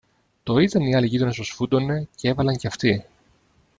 Το είδαν οι άλλοι γείτονες πως φούντωνε, κι έβαλαν και αυτοί.